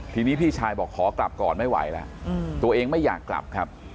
ทีนี้พี่ชายบอกขอกลับก่อนไม่ไหวแล้วตัวเองไม่อยากกลับครับ